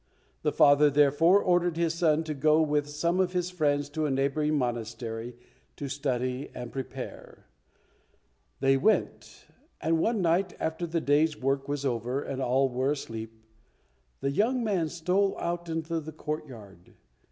The father, therefore, ordered his son to go with some of his friends to a neighbouring monastery to study and prepare. They went, and one night, after the day's work was over and all were asleep, the young man stole out into the courtyard.